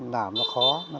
làm nó khó